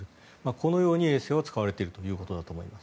このように衛星は使われているということだと思います。